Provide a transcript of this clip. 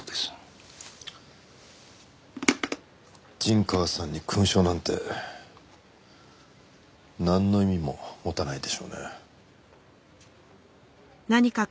陣川さんに勲章なんてなんの意味も持たないでしょうね。